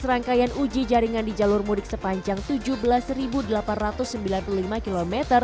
serangkaian uji jaringan di jalur mudik sepanjang tujuh belas delapan ratus sembilan puluh lima km